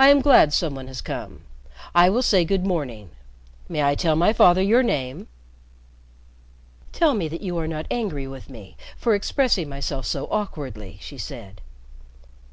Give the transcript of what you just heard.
"I am glad some one has come. I will say good morning. May I tell my father your name?" "Tell me that you are not angry with me for expressing myself so awkwardly," she said.